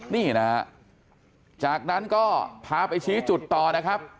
นี่นะฮะจากนั้นก็พาไปชี้จุดต่อนะครับ